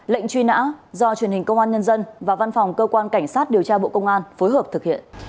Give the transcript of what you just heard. lệnh truy nã do truyền hình công an nhân dân và văn phòng cơ quan cảnh sát điều tra bộ công an phối hợp thực hiện